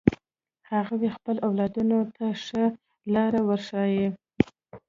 هغوی خپل اولادونو ته ښه لار ورښایی